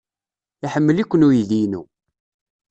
Iḥemmel-iken uydi-inu.